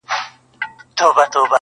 نه يې وكړل د آرامي شپي خوبونه؛